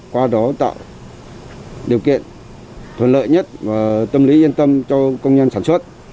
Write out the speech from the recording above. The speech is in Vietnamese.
qua đó tạo điều kiện thuận lợi nhất và tâm lý yên tâm cho công nhân sản xuất